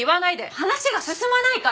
話が進まないから！